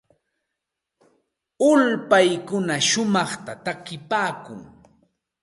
Ulpaykuna shumaqta takipaakun.